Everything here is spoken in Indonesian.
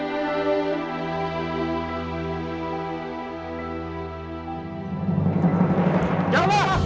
nanti kita akan berbicara